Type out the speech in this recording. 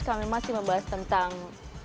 kami masih membahas tentang